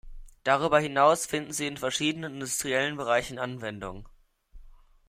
Darüber hinaus finden sie in verschiedenen industriellen Bereichen Anwendung.